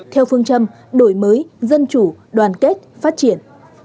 theo phương châm đổi mới dân chủ đoàn kết phát triển